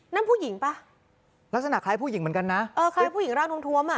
นั่นผู้หญิงป่ะลักษณะคล้ายผู้หญิงเหมือนกันนะเออคล้ายผู้หญิงร่างทวมอ่ะ